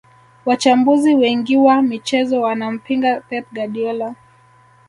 wachambuzi wengiwa michezo wanampinga pep guardiola